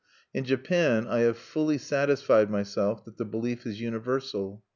In Japan I have fully satisfied myself that the belief is universal.